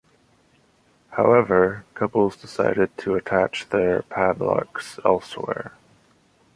However, couples decided to attach their padlocks elsewhere.